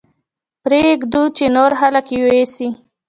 پرې يې ږدو چې نور خلک يې ويسي.